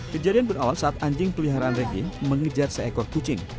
kejadian berawal saat anjing peliharaan regi mengejar seekor kucing